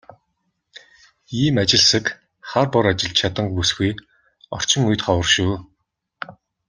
Ийм ажилсаг, хар бор ажилд чаданги бүсгүй орчин үед ховор шүү.